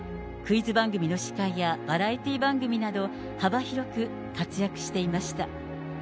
クイズ番組の司会やバラエティ番組など幅広く活躍していました。